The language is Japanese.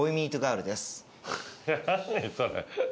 何それ。